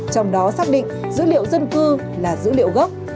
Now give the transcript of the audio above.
trong đó xác định dữ liệu dân cư là dữ liệu gốc